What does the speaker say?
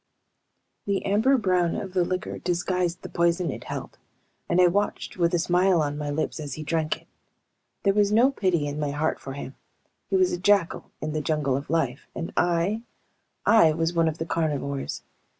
The amber brown of the liquor disguised the poison it held, and I watched with a smile on my lips as he drank it. There was no pity in my heart for him. He was a jackal in the jungle of life, and I ... I was one of the carnivores.